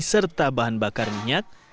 serta bahan bakar minyak